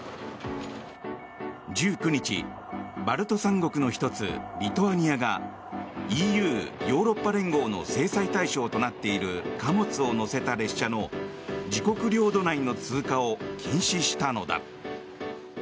１９日、バルト三国の１つリトアニアがＥＵ・ヨーロッパ連合の制裁対象となっている貨物を乗せた列車の自国領土内の通過を禁止したのだ。